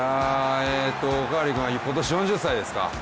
おかわり君は今年４０歳ですか。